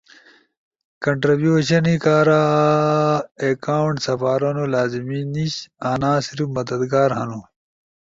کنٹربیوشنی کارا اکونٹ سپارونو لازمی نیش، انا صرف مددگار ہنو۔